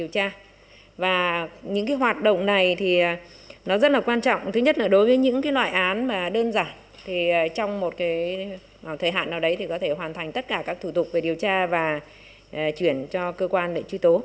cảnh sát biển việt nam có thể hoàn thành tất cả các thủ tục về điều tra và chuyển cho cơ quan để truy tố